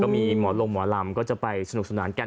ก็มีเมอร์ร่องเมอร์ลำก็จะไปสนุกสนานกัน